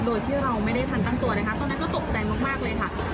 โดยที่เราไม่ได้ทันตั้งตัวนะคะตอนนั้นก็ตกใจมากเลยค่ะ